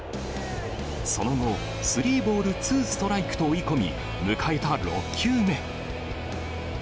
その後、スリーボールツーストライクと追い込み、迎えた６球目。